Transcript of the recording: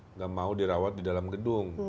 nggak mau dirawat di dalam gedung